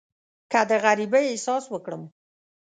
که د غریبۍ احساس وکړم.